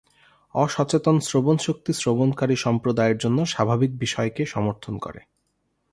অসচেতন শ্রবণশক্তি শ্রবণকারী সম্প্রদায়ের জন্য স্বাভাবিক বিষয়কে সমর্থন করে।